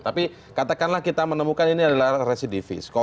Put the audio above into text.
tapi katakanlah kita menemukan ini adalah residivis